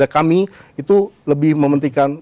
kami itu lebih mementingkan